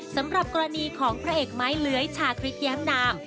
สำหรับกรณีของพระเอกไม้เลื้อยชาคริสแย้มนาม